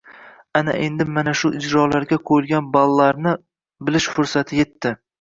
Ana endi mana shu ijrolarga qo‘yilgan ballarni bilish ufursati yetdi.